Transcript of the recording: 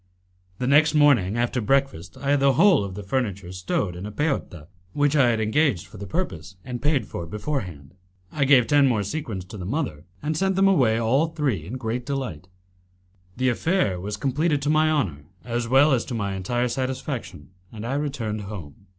The next morning, after breakfast, I had the whole of the furniture stowed in a peotta, which I had engaged for the purpose and paid for beforehand. I gave ten more sequins to the mother, and sent them away all three in great delight. The affair was completed to my honour as well as to my entire satisfaction, and I returned home.